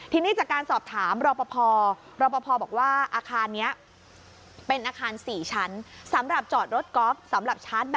ทีนี้จากการสอบถามรอปภรอปภบอกว่าอาคารนี้เป็นอาคาร๔ชั้น